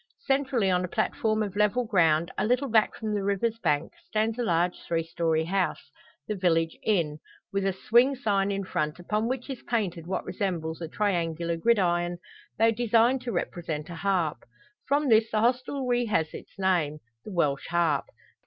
Centrally on a platform of level ground, a little back from the river's bank, stands a large three storey house the village inn with a swing sign in front, upon which is painted what resembles a triangular gridiron, though designed to represent a harp. From this the hostelry has its name the "Welsh Harp!"